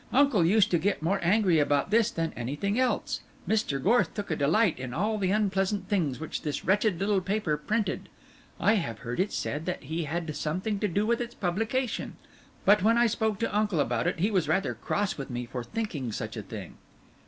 Uncle used to get more angry about this than anything else, Mr. Gorth took a delight in all the unpleasant things which this wretched little paper printed. I have heard it said that he had something to do with its publication; but when I spoke to uncle about it, he was rather cross with me for thinking such a thing."